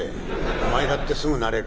お前だってすぐなれる」。